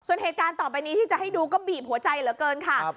ส่วนเหตุการณ์ต่อไปนี้ที่จะให้ดูก็บีบหัวใจเหลือเกินค่ะ